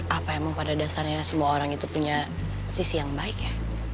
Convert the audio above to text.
apa emang pada dasarnya semua orang itu punya sisi yang baik ya